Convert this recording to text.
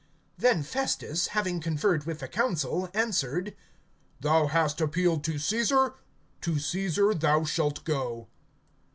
(12)Then Festus, having conferred with the council, answered: Thou hast appealed to Caesar; to Caesar thou shalt go.